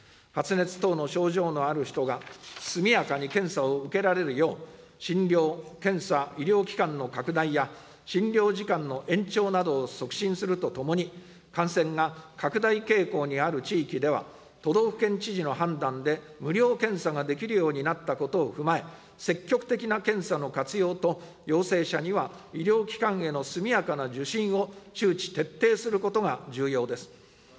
発熱等の症状のある人が速やかに検査を受けられるよう、診療・検査医療機関の拡大や、診療時間の延長などを促進するとともに、感染が拡大傾向にある地域では、都道府県知事の判断で無料検査ができるようになったことを踏まえ、積極的な検査の活用と、陽性者には医療機関への速やかな受診を周知徹底することが重要です。